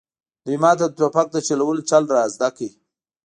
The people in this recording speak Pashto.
دوی ماته د ټوپک د چلولو چل را زده کړ